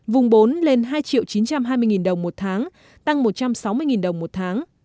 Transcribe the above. vùng bốn lên hai chín trăm hai mươi đồng một tháng tăng một trăm sáu mươi đồng một tháng